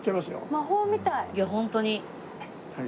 魔法みたい！